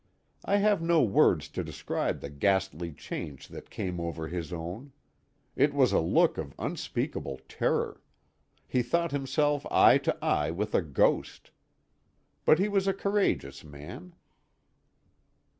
I have no words to describe the ghastly change that came over his own; it was a look of unspeakable terror—he thought himself eye to eye with a ghost. But he was a courageous man.